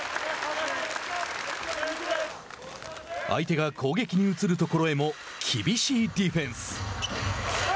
相手が攻撃に移るところにも厳しいディフェンス。